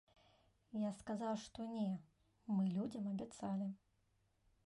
Я сказаў, што не, мы людзям абяцалі.